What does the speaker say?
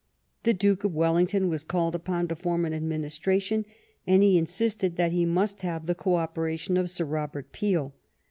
The Duke of Wellington was called upon to form an administration, and he insisted that he must have the co operation of Sir Robert Peel.